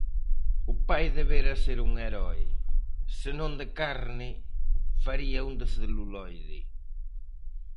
O pai debera ser un heroe, se non de carne, faría un de celuloide.